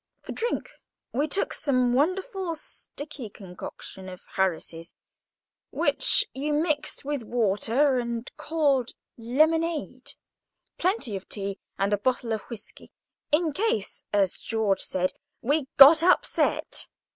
For drink, we took some wonderful sticky concoction of Harris's, which you mixed with water and called lemonade, plenty of tea, and a bottle of whisky, in case, as George said, we got upset.